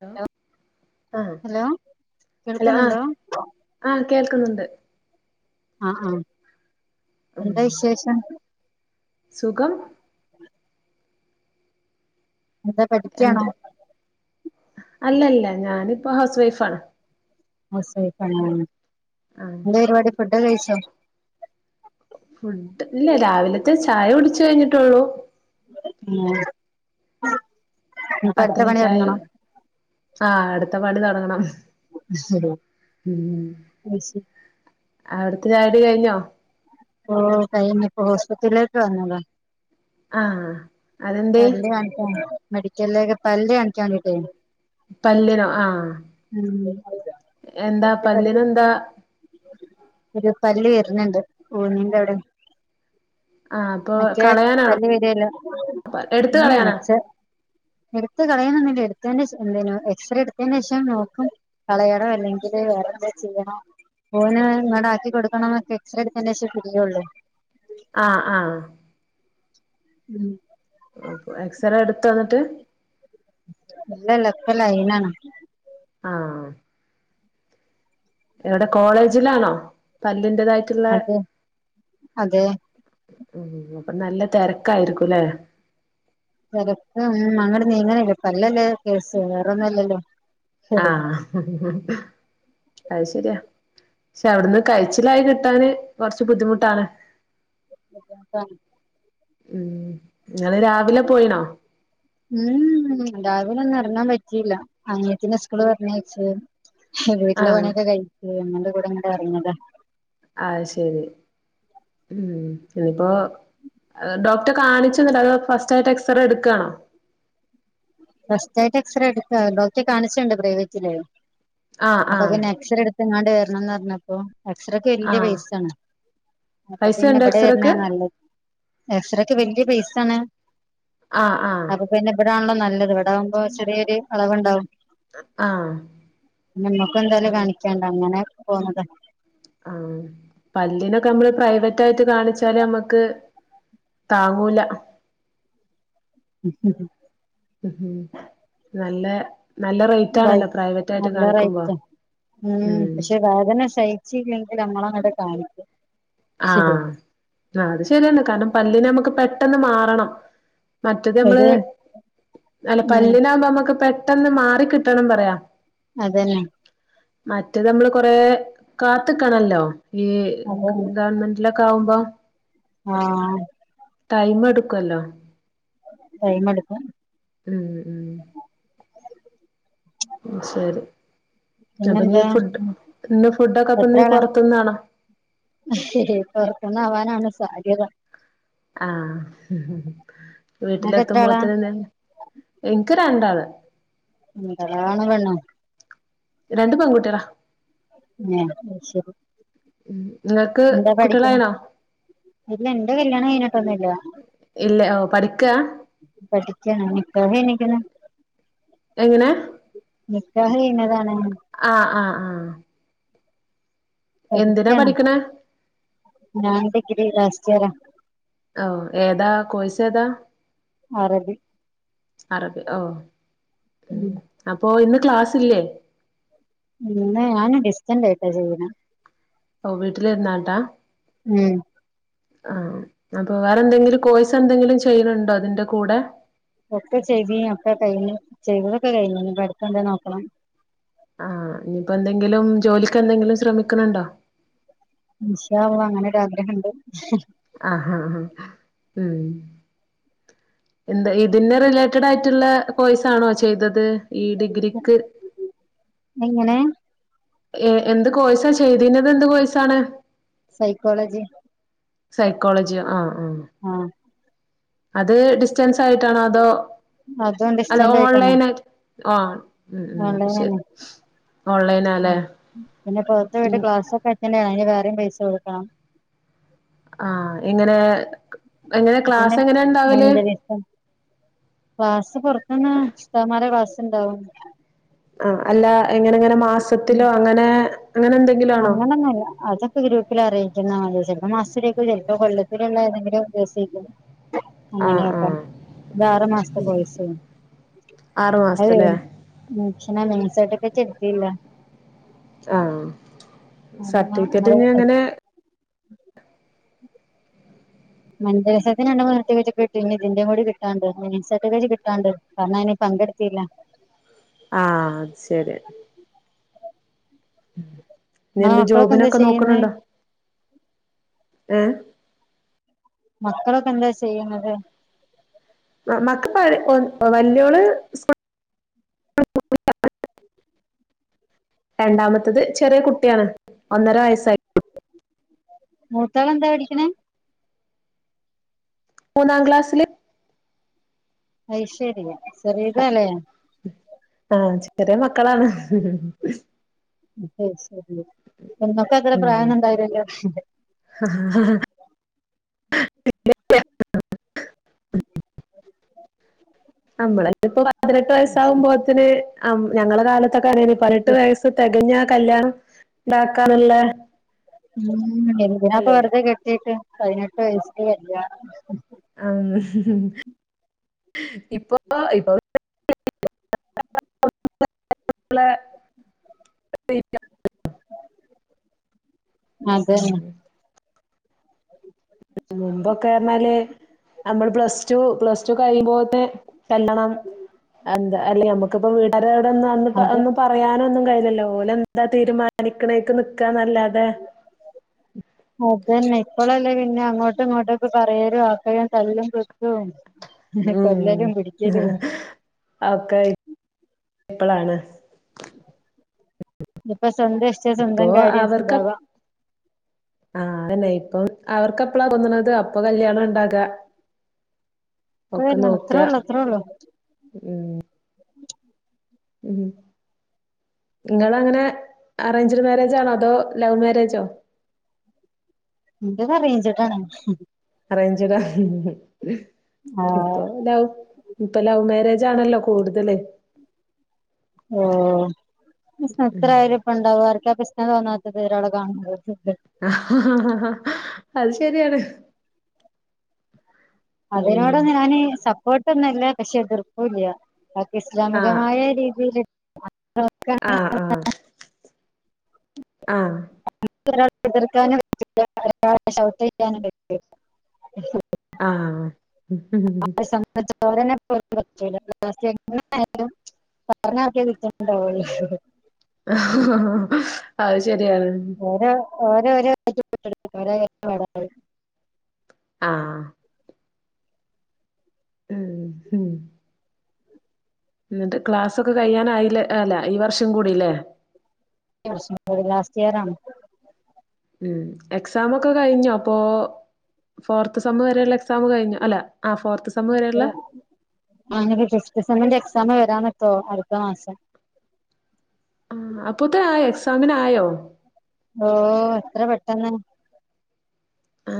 Hello ആഹ് hello hello കേൾക്കുന്നുണ്ടോ ആഹ് കേൾ ക്കുന്നുണ്ട് ആഹ് ഉം എന്താ വിശേഷം സുഖം എന്താ എന്ത് പഠിക്കണോ അല്ലല്ല ഞാനിപ്പ ഹൗസ് വൈഫ ആണ് [unintelligible] ആഹ് ന്തേ വടി പ ചായ കഴിച്ചോ ഫുഡ് ഇല്ല രാവിലത്തെ ചായ കുടിച്ച് കഴിഞ്ഞിട്ടോള്ളൂ ആഹ് ഇപ്പൊ അടുത്ത പത്തണി പണി ചായ തുടങ്ങണം ആഹ് അടുത്ത പണി തൊടങ്ങണം മിസ്സ്‌ ഹലോ മിസ്സ്‌ അവിട്ത്തെ ചായുടി കഴിഞ്ഞോ? ഓ കയ്ഞ്ഞ് പ്പോ ഹോസ്പിറ്റലിലേക്ക് വന്നതാ. ആഹ്. അതെന്തേ പല്ല് കാണിക്ക മെഡിക്കൽലേക്ക് പല്ല് കാണിക്കാൻ വേണ്ടിയിട്ടേ. പല്ലിനോ ആഹ്. എന്താ പല്ലിനെന്താ ഒര് പല്ല് ണ്ട് ഊന്നിണ്ട് അവിടെ ആഹ് അപ്പൊ മറ്റേ കളയാനാണോ പല്ല് വരേല്ല എടുത്ത് ന്ന് കളയാനാ വെച്ച എട്ത്ത് കളയാനൊന്നുല്ല എട് തേനേശം എന്തിനാ എക്സ്റേ എട്ത്തേനേശം നോക്കും. കളയണോ അല്ലെങ്കില് വേറെന്തോ ചെയ്യണോ ഊനം ഇങ്ങട് ആക്കി കൊട് ക്കണം ന്നൊക്കെ എക്സറേ എട്ത്തേന്റെ ശെ തിരിയുള്ളു. ആഹ് ആഹ്. ഉം. അപ്പൊ എക്സറേ എടുത്തോ ന്നിട്ട്? ഇല്ലല്ല. ഇപ്പൊ ലയിനാണ്. ആഹ്. എവിടെ കോളേജിലാണോ പല്ല് അതെ അതെ. ഉം. അപ്പ നല്ല തെര്ക്കായിരിക്കുംല്ലേ. തെരക്കാണ്. അങ്ങട് നീങ്ങണ്ല്ല. പ ല്ലല്ലേ കേസ് വേറൊന്നും അല്ലല്ലോ. ആഹ് അത് ശരിയാ പക്ഷെ അവിടുന്ന് കഴിച്ചിലായി കിട്ടാന് കുറച്ച് ബുദ്ധിമുട്ടാണ് ഉം ങ്ങള് രാവിലെ പോയിനോ ഉം രാവില ഒന്നും ഇറങ്ങാൻ പറ്റിയില്ല അനിയത്തിന്റെ സ്കൂള് പറഞ്ഞയച്ച് വീട്ടിലെ ആഹ് പണിയൊക്കെ കഴിച്ച്ങ്ങാണ്ട് ഇവടെ ഇങ്ങട് ഇറങ്ങിയതാ ആഹ് ശരി ഉം ഇനിയിപ്പോ ഡോക്ടറെ കാണിച്ചോന്നില്ല അത് ഫസ്റ്റാട്ട് എക്സ്റേ എടുക്കാണോ ഫസ്റ്റായിട്ട് എക്സറേ എടുക്ക ഡോക്ടറെ കാണിച്ചിട്ടുണ്ടോ പ്രൈവറ്റില് ആഹ് അപ്പൊ ആഹ് പിന്നെ എക്സറേ എടുത്ത് ഇങ്ങാണ്ട് വരണംന്ന് പറഞ്ഞ തോ എക്സറേക്ക് വല്ല്യ ആഹ് പൈസാണ് അപ്പൊ പൈസ പിന്നെ ഉണ്ടോ ഇവിടെ വരുന്നാ എക്സറക്ക് നല്ലത് എക്സറേക്ക് വല്ല്യ പൈസാണ് ആഹ് ആഹ് അപ്പൊ പിന്നെ ഇവിടാണല്ലോ നല്ല ഇവടാകുമ്പോ ചെറിയൊരു എളവ്ണ്ടാവും. ആഹ് ഇൻ്റമ്മക്ക് എന്തായാലും ആഹ് കാണിക്കാണ്ട്. അങ്ങനെ പോന്നതാ ആഹ് പല്ലിനൊക്കെ നമ്മ പ്രൈവറ്റായിട്ട് കാണിച്ചാല് അമ്മക്ക് താങ്ങൂല. മ്മ് ഹ്. നല്ല നല്ല റേറ്റ് അതെ. ആണല്ലോ പ്രൈവറ്റ് ആയിട്ട് നല്ല കാണിക്കുമ്പോ റെയ്റ്റാ. മ്മ് ഉം പക്ഷെ വേദന സയിച്ച് [unintelligible] നമ്മളങ്ങട്ട് കാണി ആ ആ അത് ശരിയാണ്. കാരണം പല്ല്നമ്മ ക്ക് പെ ട്ടന്ന് മാറണം മറ്റത് നമ്മള് ഒരു ഉം അല്ല പല്ലിനാകുമ്പോ നമ്മക്ക് പെട്ട പട്ടെന്ന് മാറികിട്ടണം പറയാ അതന്നെ മറ്റേതമ്മള് കൊറേ കാത്ത്ക്കണല്ലോ. യേ. [unintelligible] അതന്നെ ഗവൺമെൻ്റില ക്കാവുമ്പോം ആഹ് ടൈമെടുക്കല്ലോ ടൈമെടുക്കും മഉം ഉം ഉം ശരി അപ്പൊ പിന്നെന്താ നീ ഫുഡ് ഇന്ന് ഫുഡൊക്കെ അപ്പൊ നീ എത്രയാള പൊറത്തുന്നാണോ പുറത് ന്നാവാനാണ് സാധ്യത ആഹ് നിങ്ങക്ക് എത്ര ആളാ വീട്ടിലെത്തുമ്പോത്ത്ന്ന്ന് ഇൻക് ക്ക് രണ്ടാള് രണ്ടാള് ആണോ പെണ്ണോ രണ്ട് പൺകുട്ട്യളാ ഏഹ് ശരി ഉം നിങ്ങൾക്ക് എന്താ പഠിക്ക്ണെ കുട്ടികളായിണോ ഇല്ല ഇന്റെ കല്യാണം കഴഞ്ഞിട്ടൊന്നുല്ല ഇല്ല ഓ പഠിക്കാ പഠിക്കാണ് നിക്കാഹ് കയിഞ്ക്ണ് എങ്ങനെ നിക്കാഹ് കയിഞ് താണ് ആ ആ ആ ആ പഠിക്കാണ് ഞാൻ ഡിഗ്രി ലാസ് [unintelligible] ഓ ഏതാ കോഴ്സേതാ അറബി അറബ് ഓ ഉ ഉം അപ്പൊ ഇന്ന് ക്ലാസ്ല്ല്ലേ ഇന്ന് ഞാൻ ഡിസ്റ്റന്റായിട്ടാ ചെയ്യ്ണെ ഓ വീട്ടിലിരുന്നാട്ടാ ഉം ആ അപ്പൊ വേറെ എന്തെങ്കിലും കോഴ്സ് ന്തെങ്കിലും ചെയ്യ്ണ്ണ്ടോ ഇതിന്റെ കൂടെ ഒക്കെ ചെയ്തീനി ഒക്കെ കഴിഞ്ഞു ചെയ്തതൊക്കെ കഴിഞ്ഞു ഞ് പ്പടുത്തതെന്തെങ്കിലും നോക്കണം ആ ഇനിയിപ്പോ എന്തെങ്കിലും ജോലിക്ക് എന്തെങ്കിലും ശ്രമിക്ക്ണ് ണ്ടോ ഇന്ഷാ അല്ലാഹ് അങ്ങനൊരാഗ്രഹണ്ട് ആഹ് ആഹ് ഉം എന്താ ഇതിനെ റിലേറ്റഡായിട്ട് ള്ള കോഴ്സാണോ ചെയ്തത് ഈ ഡിഗ്രിക്ക് എങ്ങനെ ഏ എന്ത് കോഴ്സ ചെ ചെയ്തീന്നത് എന്ത് കോഴ്സാണ് സൈക്കോളജി സൈക്കോളജിയോ ആ ആ അത് ഡിസ്റ്റൻസ് [unintelligible] ണോ അതോ അതും അ ഓൺലൈനായി ആ ഓൺലൈനെന്നെ ഓൺലൈനാല്ലേ പിന്നെ പൊറത്ത് ഉം പോയിട്ട് ക്ലാസ്സൊക്കെ അറ്റന്റ് ചെയ്യണം അയിന് വേ റെയും പൈസ കൊടുക്കണം ആ ഇങ്ങനെ പിന്നെ മെന്റലിസം ക്ലാസ്സ്‌ പൊറത്ത്ന്ന് ഉസ്താദ്മാരെ ക്ലാസ്സ്‌ ഉണ്ടാവും ആ അല്ല എങ്ങനെങ്ങനെ മാസത്തിലോ അങ്ങനെ അങ്ങനെ എന്തെങ്കിലും ആണോ അങ്ങനൊന്നല്ല അതൊക്കെ ഗ്രൂപ്പിലറിയും [unintelligible] മാസത്തിലേക്കും ചെലപ്പോ കൊല്ലത്തില്ള്ള ഏതെങ്കിലും ദിവസേക്കും ആഹ് അങ്ങനെയൊക്കൊ ആഹ് ഇതാറ് മാസത്തെ കോഴ്സ് ആറു മാസത്തല്ലേ [unintelligible] [unintelligible] ആ സർട്ടിഫിക്കറ്റ് ഞങ്ങള് ഞ്ഞങ്ങനെ [unintelligible] ഇതിന്റെ കൂടെ കിട്ടാണ്ട് [unintelligible] കിട്ടാണ്ട് കാരണം അയ്ന് പങ്കെടുത്തില്ല ആ അത് ശെരി ഉം ഇ നിങ്ങളെ എന്റെ മക്കളൊക്കെ എന്താ ജോബിനൊക്കെ ചെയ്യുന്നേ നോക്കണണ്ടോ ഏ മക്കളൊക്കെ എന്താ ചെയ്യുന്നത് മക്ക പഴ വല്യോള് രണ്ടാമത്തത് ചെറിയ കുട്ടിയാണ് ഒന്നര വയസൈ മൂത്തള എന്താ പടിക്കണ മൂന്നാം ക്ലാസ്സില് ഐശ്വര്യ ശെറ ഇതല്ലേ ആഹ് ചെറിയ മക്കളാണ് ഉ എന്നൊക്കെ അത്ര പ്രായം ഉണ്ടായിരല്ലന്റെ ഉ ഉം അ അമ്പളയൊക്കെ കുറെ പതിനെട്ട് വയസ്സകുമ്പോ അത്തിന് ആ ഞങ്ങളെ കാല പതിനെട്ട് വയസ് തികഞ്ഞ കല്യാണം ഇണ്ടാക്കാനുള്ള ഉം എന്തിനാപ്പ ഇതല്ലേനോ വെറ്തെ കെട്ടിയിട്ട് പതിനെട്ട് വയസ്ില കല്യാണം ആ ഇപ്പൊ ഇപ്പോ [unintelligible] അതെ ഉം നമ്മൾ പ്ലസ് ടു പ്ലസ് ടു കഴിയുമ്പോത്തെ ചെല്ലണം എന്താ അല്ല നമുക്കിപ്പ വീട്ട അ അവിടെ ഒ അന്ന് അത് അന്ന് പറയാനോ ഒന്നും കയ്ല്ലല്ലോ ഓല എന്താ തീരുമാനിക്കണേക്ക് നക്കാന്നല്ലാതെ അതന്നെ ഇപ്പോളല്ലേ പിന്നെ അങ്ങോട്ടും ഇങ്ങോട്ടൊക്കെ പറയരുും ആക്കയും തല്ലും കൃത്തും ഉം ഒക്കെ ഇപ്പളാണ് ഉപ്പ സ്വന്തം ഇഷ്ട ഇപ്പൊ സ്വന്തം കാര്യം അവർക്ക് സിന്താവാ അപ്പം അവർക്ക് എപ്പളാ തോന്നണത് അപ്പൊ കല്യാണം ഉണ്ടാക്ക [unintelligible] ത്രോലോ ത്രോള ഉ നിങ്ങൾ അങ്ങനെ അറേഞ്ച്ഡ് മാരേജ് ആണോ അതോ ലവ് മാരേജോ എന്റെത് അറയ്ഞ്ട് പറഞ്ചട ആ ഇപ്പൊ ലവ് ഇപ്പൊ ലവ് മാരേജ് ആണല്ലോ കൂടുതല് ഓ എത്ര ഉം ആ ഇപ്പ ഉണ്ടാവും ആർക്ക ഞാ തോന്നാത്ത ഒരാള കാണുന്നമ്പോ ആ അത് ശെരിയാണ് അതിനോട് ഞാന് സപ്പോർട്ടെന്നുല്ല പക്ഷെ എതിർപ്പുള്ള ഇസ്ലാമികമായ രീതിൽ ആ ആ ആ ഒ എതിർക്കാനും പറ്റ ഒൗ ചെയ്യാനും പറ്റയി [unintelligible] ആ ഉ [unintelligible] ആ അ ശരിയാണ് ഓരോ രോഓര ആ ആ ഹം എന്നിട്ട് ക്ലാസക്കെ കഴ്യാനായില്ല അല്ല ഈ വർഷം കൂടില്ലേ വർഷം ലാസ്റ്റ് ഇയറാണ് ഉം എക്സാം ഒക്കെ കഴിഞ്ഞു അപ്പോ ഫോർത്ത് സമ്മ വരെയുള്ള എക്സാം കഴിഞ്ഞു അല്ല ഫോർ അനെ ഫിഫ്ത് സെമ്മ്ന്റെ എക്സാം എഴുതാൻ നിക്ക ത്ത അടുത്ത മാസം ആ അപ്പൊത്തിനു ആയോ എക്സ് സാമിനായോ ഓ എത്ര പെട്ടെന്ന് ആ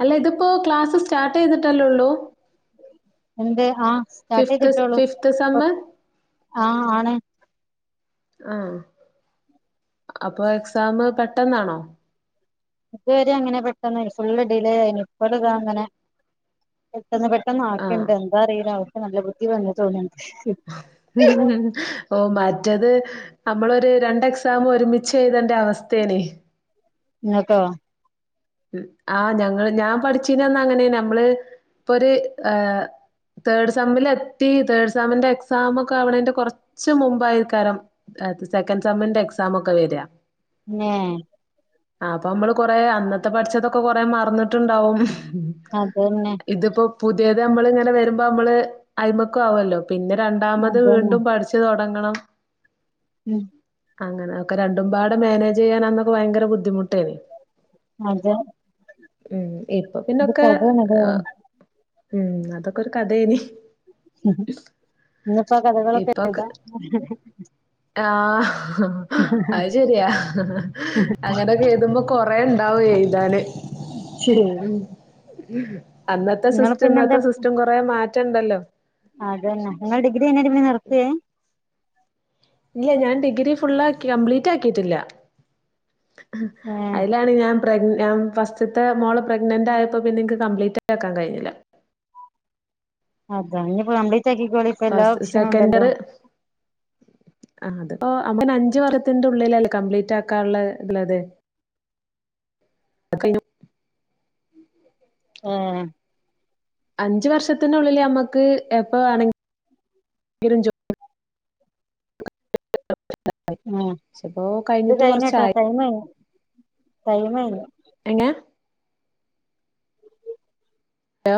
അല്ല ഇതിപ്പോ ക്ലാസ് സ്റ്റാർട്ട് ചെയ്തിട്ടല്ലേള്ളൂ എന്ത് ആ സ്റ്റാർട്ട ചെയ് കിട്ടോളൂ ഫിഫ്ത്ത് സെമ്മ് ആ ആണ് ആ അപ്പൊ എക്സാം പെട്ടെന്നാണോ ഇതുവരെ അങ്ങനെ പെട്ടെന്ന് ഫുള്ള് ഡിലേ ആയി ഇപ്പോൾ ഇതാ അങ്ങനെ പെട്ടന്ന് പെട്ടെന്ന് ആഹ് ആക്കുണ്ട് എന്താ അറിയിലാ നല്ല ബുദ്ധി വന്ന തോന്നിയാണ് [inaudible] ഓ ബ മറ്റേത് നമ്മളൊരു രണ്ട് എക്സാം ഒരുമിച്ച് എഴുതേണ്ട അവസ്ഥേനെ ഇങ്ങക്കൊ ആ് ഞങ്ങള് ഞാൻ പഠിച്ചീനന്ന അങ്ങനെ നമ്മള് ഇപ്പൊ ഒരു തേർഡ് സെമ്മില എത്തി തേർഡ് സെമിന്റെ എക്സാമ ഒക്കെ ആവണന്റെ കൊറച്ച മുമ്പായിരിക്കാരം സെക്കൻഡ് സെമ്മിന്റെ എക്സാമ ഒക്കെ വരിക ന്നെ ആ അപ്പൊ നമ്മള് കൊറെ അന്നത്തെ ട്ടുണ്ടാവും ഉ അതന്നെ ഇതിപ്പോ പുതി അതത് നമ്മള് ഇങ്ങനെ വരുമ്പോ നമ്മള് അയിൽബക്ക ആവേല്ലോ. പിന്നെ രണ്ടാമത് അതന്നെ വീണ്ടും പഠിച്ച് തുടങ്ങണം. ഉം അങ്ങനെക്കെ രണ്ടുംപാട് മാനേജ് ചെയ്യാന്നൊക്കെ ഭയങ്കര ബുദ്ധിമുട്ടേന്. അതെ ഉം ഇപ്പൊ ഇത് പിന്നൊക്കെ കഥയാണല്ലേ ഉം അതൊക്കെ ഒരു കഥയേനി. ഇന്നിപ്പാ കഥകള് [unintelligible] ആ അത് ശരിയാ, അങ്ങനൊക്കെ എഴുതുമ്പോ കൊറേണ്ട്. എഴുതാണ് ഉ. ഉം അന്നത്തെ നിങ്ങള് സിസ്റ്റം പിന്നെന്താ ഇന്നത്തെ സിസ്റ്റം കുറെ മാറ്റ റ്റണ്ടല്ലോ അതന്നെ നിങ്ങൾ ഡിഗ്രി തന്നെ പിന്നെ നിർത്തിയേ ഇല്ല ഞാൻ ഡിഗ്രി ഫുളളാക്കി കംപ്ലീറ്റ് ആക്കിയിട്ടില്ല ഏ അയിലാണ് ഞാൻ പ്രഗ് ഞ ഫസ്റ്റത്തെ മോള് പ്രഗ്നന്റ് ആയപ്പോ പിന്നെ എക്ക് കംപ്ലീറ്റ് ആക്കാൻ കഴിഞ്ഞില്ല. ആ ഇനിപ്പോ കംപ്ലിക് ആക്കിക്കോളി ഇപ്പൊ എല്ലാ ഫസ്റ്റ് ഓപ്ക്ഷന് സെക്കൻഡർ ഉണ്ടല്ലോ. അപ്പ അമ്മന് അഞ്ച് [unintelligible] ഉള്ളിലല്ലേ കംപ്ലീറ്റ് ആക്കാനുള്ളത്. ആ. അഞ്ചു വർഷത്തിനുള്ളിൽ നമ്മക്ക് എപ്പ വേണമെങ്കിലും [unintelligible] ഉം ഇത് കഴിഞ്ഞട്ടോ കൊറച്ചായി. [unintelligible] ടൈമയില്ല. എങ്ങാ ഹലോ